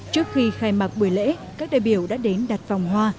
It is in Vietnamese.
trước khi khai mạc buổi lễ các đại biểu đã đến đặt vòng hoa